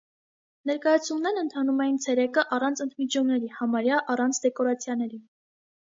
Ներկայացումներն ընթանում էին ցերեկը, առանց ընդմիջումների, համարյա առանց դեկորացիաների։